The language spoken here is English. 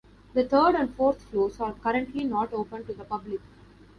The third and fourth floors are currently not open to the public.